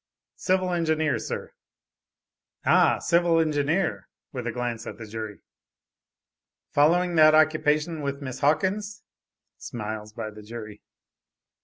"Civil Engineer, sir." "Ah, civil engineer, (with a glance at the jury). Following that occupation with Miss Hawkins?" (Smiles by the jury).